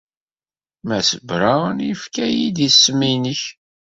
Mass Brown yefka-iyi-d isem-nnek.